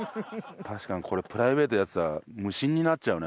確かにこれプライベートでやってたら無心になっちゃうね